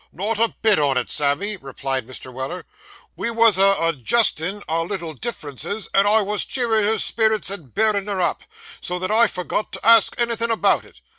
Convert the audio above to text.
'Not a bit on it, Sammy,' replied Mr. Weller. 'We wos a adjestin' our little differences, and I wos a cheerin' her spirits and bearin' her up, so that I forgot to ask anythin' about it.